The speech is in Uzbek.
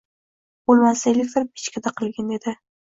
Boʻlmasa, elektr pechkada qilgin edi